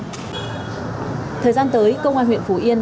thời gian tới công an huyện phù yên